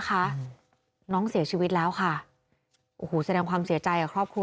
นะคะน้องเสียชีวิตแล้วค่ะโอ้โหแสดงความเสียใจกับครอบครัว